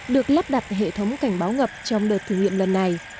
được lắp đặt hệ thống cảnh báo ngập trong đợt thử nghiệm lần này